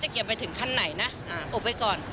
เจ๊เกียวไปถึงขั้นไหนนะอุบไว้ก่อน